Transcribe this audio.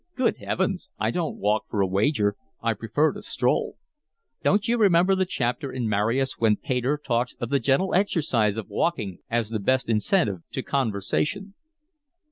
"Good heavens, I don't walk for a wager. I prefer to stroll. Don't you remember the chapter in Marius where Pater talks of the gentle exercise of walking as the best incentive to conversation?"